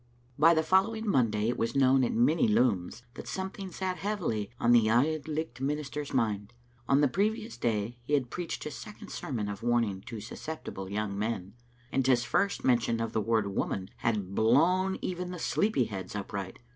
By the following Monday it was known at many looms that something sat heavily on the Auld Licht minister's mind. On the previous day he had preached his second sermon of warning to susceptible young men, and his first mention of the word " woman" had blown even the sleepy heads upright.